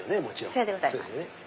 さようでございます。